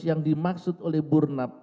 yang dimaksud oleh burnap